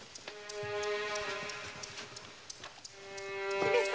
姫様。